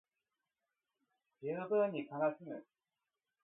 十分に悲しむ